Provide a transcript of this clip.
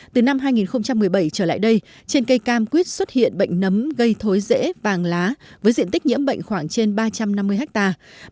từ năm hai nghìn một mươi bảy trở lại đây trên cây cam quyết xuất hiện bệnh nấm gây thối rễ vàng lá với diện tích nhiễm bệnh khoảng trên ba trăm năm mươi hectare